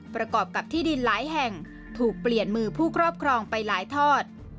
ประกอบกับที่ดินหลายแห่งถูกเปลี่ยนมือผู้ครอบครองไปหลายทอด